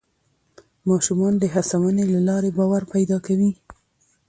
ماشومان د هڅونې له لارې باور پیدا کوي